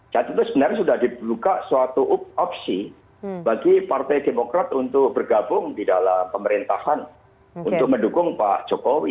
saat itu sebenarnya sudah dibuka suatu opsi bagi partai demokrat untuk bergabung di dalam pemerintahan untuk mendukung pak jokowi